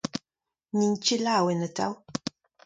N'int ket laouen, atav.